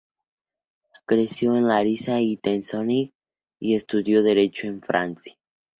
Creció en Larissa y Thessaloniki y estudió derecho en Francia.